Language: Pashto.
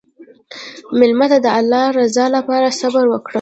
مېلمه ته د الله رضا لپاره صبر وکړه.